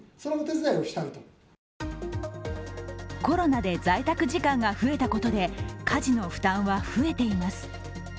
コロナで在宅時間が増えたことで家事の負担は増えています。